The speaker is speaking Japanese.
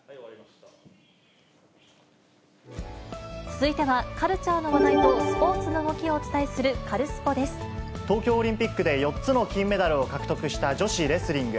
続いては、カルチャーの話題とスポーツの動きをお伝えする、カルスポっ！で東京オリンピックで４つの金メダルを獲得した女子レスリング。